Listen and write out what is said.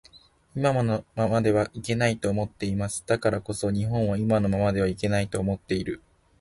今のままではいけないと思っています。だからこそ日本は今のままではいけないと思っている